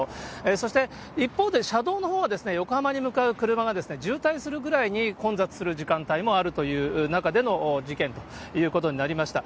そして一方で、車道のほうは横浜に向かう車が渋滞するぐらいに混雑する時間帯もあるという中での事件ということになりました。